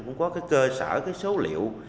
cũng có cái cơ sở cái số liệu